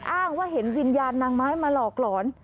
อ้างว่าเห็นวิญญาณนางไม้มาหลอกหลอน